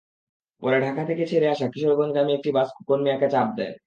পথে ঢাকা থেকে ছেড়ে আসা কিশোরগঞ্জগামী একটি বাস খোকন মিয়াকে চাপা দেয়।